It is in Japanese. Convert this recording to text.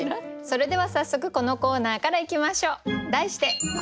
それでは早速このコーナーからいきましょう。